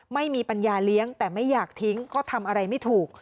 ไม่มีปัญญาเลี้ยงแต่ไม่อยากทิ้งก็ทำอะไรไม่ถูก